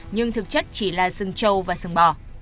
nhưng thực chất chỉ là sừng trâu và sừng bò